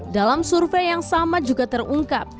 dalam survei yang sama juga terungkap